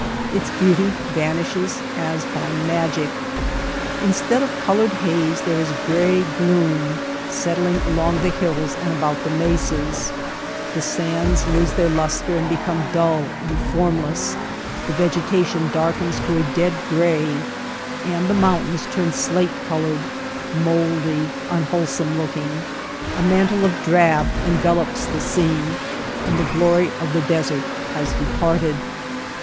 Its beauty vanishes as by magic. Instead of colored haze there is gray gloom settling along the hills and about the mesas. The sands lose their lustre and become dull and formless, the vegetation darkens to a dead gray, and the Rain/all. Efect of the nimbus. 102 THE DE8EET Cumuli. Heap clouds at sunset. Strati. mountains turn slate colored, mouldy, unwhole some looking. A mantle of drab envelops the scene, and the glory of the desert has departed.